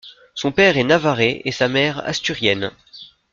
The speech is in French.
Son père est navarrais et sa mère asturienne.